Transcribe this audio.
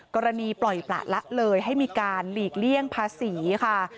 กรณีปล่อยประละเลยให้มีการหลีกเลี่ยงภาษีค่ะ